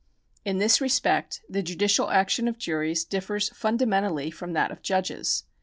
In this respect the judicial action of juries differs fundamentally from that of judges.